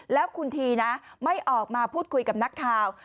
แล้วคุณทีนะไม่ออกมาพูดคุยกับนักข่าว